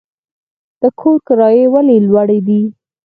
د کور کرایې ولې لوړې دي؟